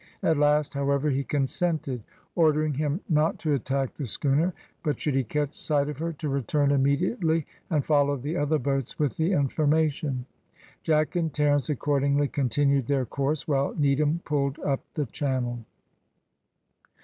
At last, however, he consented, ordering him not to attack the schooner, but should he catch sight of her to return immediately and follow the other boats with the information. Jack and Terence accordingly continued their course, while Needham pulled up the channel.